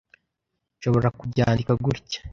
Nshobora kubyandika gutya